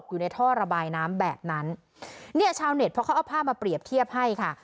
อยู่ในท่อระบายน้ำแบบนั้นเนี่ยชาวเน็ตเพราะเขาเอาภาพมาเปรียบเทียบให้ค่ะ